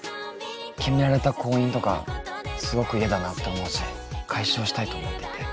決められた婚姻とかすごく嫌だなって思うし解消したいと思っていて。